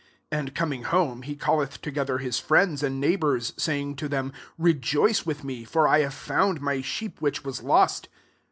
6 And coming home, he calleth together hi% friends and neighbours, saying to them, * Rejoice with me ; for I have found my sheep which was lost.